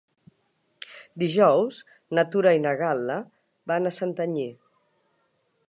Dijous na Tura i na Gal·la van a Santanyí.